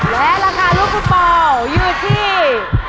และราคาลูกฟุตบอลอยู่ที่